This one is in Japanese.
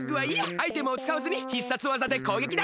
アイテムをつかわずに必殺技でこうげきだ！